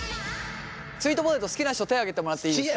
スイートポテト好きな人手挙げてもらっていいですか？